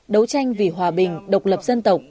đấu tranh vì hòa bình độc lập dân tộc